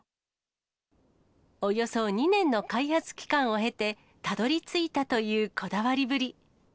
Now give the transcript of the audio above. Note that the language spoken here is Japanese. およそ２年の開発期間を経て、たどりついたというこだわりぶり。